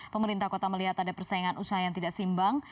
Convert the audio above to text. pemerintah kota melihat ada persaingan usaha yang tidak simbang